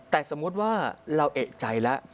แต่สมมุติว่าเราเอกใจแล้ว